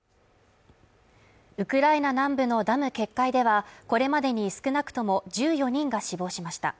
ウクライナ南部のダム決壊ではこれまでに少なくとも１４人が死亡しました。